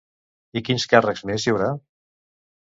I quins càrrecs més hi haurà?